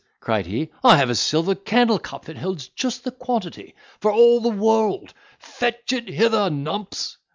cried he, "I have a silver candle cup that holds just the quantity, for all the world; fetch it hither, Numps."